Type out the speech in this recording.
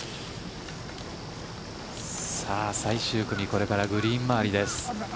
最終組、これからグリーン周り。